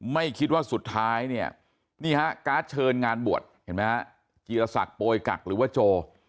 ไม่คิดว่าสุดท้ายเนี่ยนี่ฮะการ์ดเชิญงานบวชเห็นไหมฮะจีรศักดิ์โปรยกักหรือว่าโจ